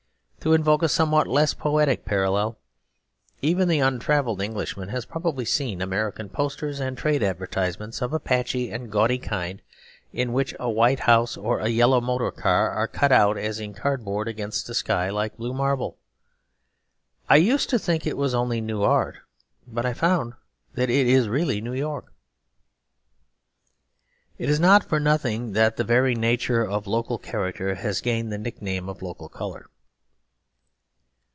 To invoke a somewhat less poetic parallel, even the untravelled Englishman has probably seen American posters and trade advertisements of a patchy and gaudy kind, in which a white house or a yellow motor car are cut out as in cardboard against a sky like blue marble. I used to think it was only New Art, but I found that it is really New York. It is not for nothing that the very nature of local character has gained the nickname of local colour.